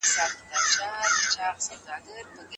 که مهالویش وي نو درس نه قضا کیږي.